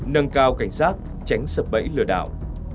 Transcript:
nâng cao cảnh sát tránh sập bẫy lừa đảo